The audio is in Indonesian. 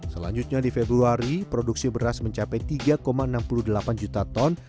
selanjutnya di februari produksi beras mencapai tiga enam puluh delapan juta ton